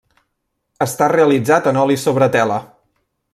Està realitzat en oli sobre tela.